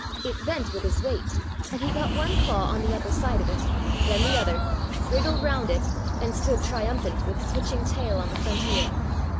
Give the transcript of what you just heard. It bent with his weight, and he got one claw on the upper side of it, then the other, wriggled round it, and stood triumphant with switching tail on the frontier.